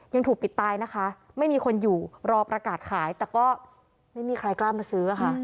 ยังถูกปิดตายนะคะไม่มีคนอยู่รอประกาศขายแต่ก็ไม่มีใครกล้ามาซื้อค่ะ